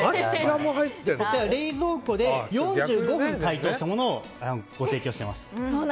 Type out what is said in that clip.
冷蔵庫で４５分解凍したものをご提供しています。